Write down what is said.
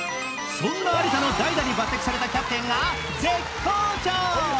そんな有田の代打に抜擢されたキャプテンが絶好調！